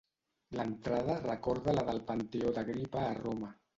L'entrada recorda a la del Panteó d'Agripa a Roma.